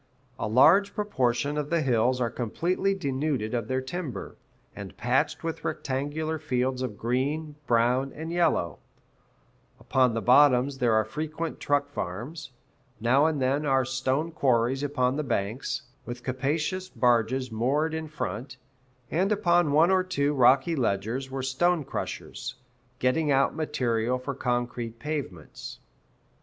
A large proportion of the hills are completely denuded of their timber, and patched with rectangular fields of green, brown, and yellow; upon the bottoms there are frequent truck farms; now and then are stone quarries upon the banks, with capacious barges moored in front; and upon one or two rocky ledges were stone crushers, getting out material for concrete pavements.